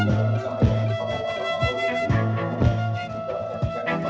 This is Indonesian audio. jangan lupa jangan lupa jangan lupa jangan lupa